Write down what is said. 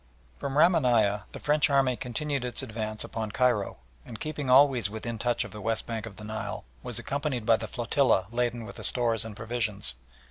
From Ramanieh the French army continued its advance upon Cairo, and keeping always within touch of the west bank of the Nile, was accompanied by the flotilla laden with the stores and provisions.